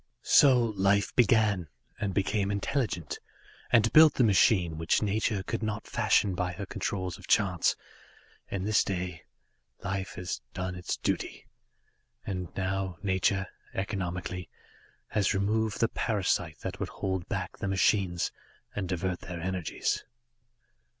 "So life began, and became intelligent, and built the machine which nature could not fashion by her Controls of Chance, and this day Life has done its duty, and now Nature, economically, has removed the parasite that would hold back the machines and divert their energies.